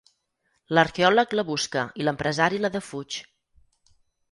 L'arqueòleg la busca i l'empresari la defuig.